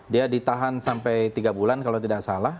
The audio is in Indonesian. dia ditahan sampai tiga bulan kalau tidak salah